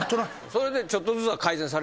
それでちょっとずつは改善された？